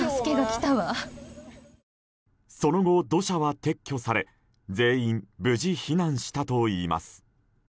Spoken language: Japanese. その後、土砂は撤去され全員、無事避難したといいます。